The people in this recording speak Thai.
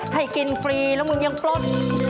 ให้กินฟรีแล้วมึงยังปลด